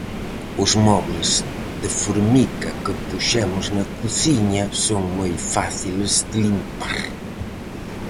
Os mobles de formica que puxemos na cociña son moi fáciles de limpar.